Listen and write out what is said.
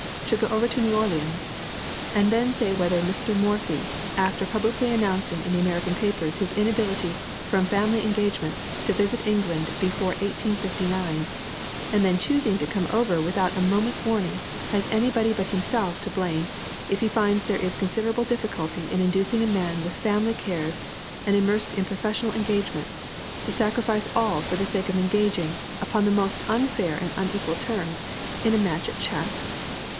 should go over to New Orleans, and then say whether Mr. Morphy, after publicly announcing in the American papers his inability, from family engagements, to visit England before 1859, and then choosing to come over without a moment's warning, has anybody but himself to blame if he finds there is considerable difficulty in inducing a man with family cares, and immersed in professional engagements, to sacrifice all for the sake of engaging, upon the most unfair and unequal terms, in a match at chess?